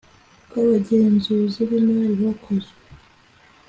rw abagenzuzi b imali bakoze